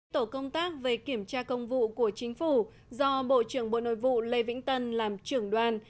tổ công tác về kiểm tra công vụ của chính phủ do bộ trưởng bộ nội vụ lê vĩnh tân làm trưởng đoàn